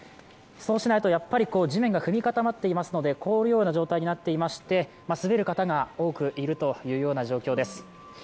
そうしないと、地面が踏み固まっていますので、凍るような状態になっていまして、滑る方が多くいるという状況です。